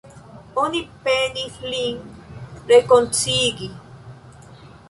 Oni penis lin rekonsciigi.